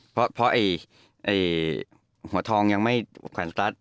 เพราะไอ้หัวทองยังไม่แขวนสัด